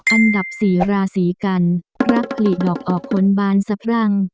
อันดับสี่ราศีกันรักผลิดอกออกผลบานสะพรั่ง